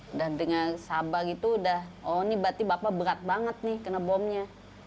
udah dengar sabar itu udah oh ini berarti bapak berat banget nih kena bomnya